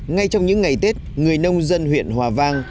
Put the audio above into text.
ngay trong những ngày tết người nông dân huyện hòa vang